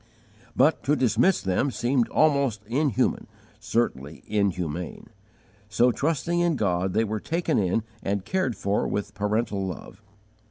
But to dismiss them seemed almost inhuman, certainly inhumane. So, trusting in God, they were taken in and cared for with parental love.